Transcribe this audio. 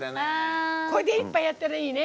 これで１杯やったらいいね。